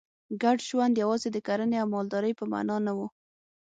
ګډ ژوند یوازې د کرنې او مالدارۍ په معنا نه و